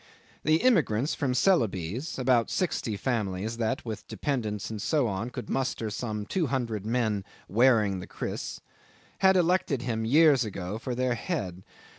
The immigrants from Celebes (about sixty families that, with dependants and so on, could muster some two hundred men "wearing the kriss") had elected him years ago for their head.